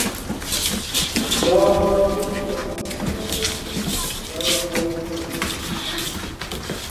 Pǎh khu ā lǒm sah nshʉ́ά pǎh khu ā coh.